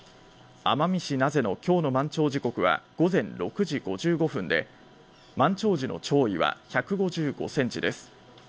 奄美市名瀬の今日の満潮時刻は午前６時５５分で、満潮時の潮位は１５５センチです。